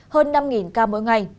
hơn năm ca mỗi ngày